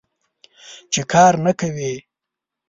چې کار نه کوې.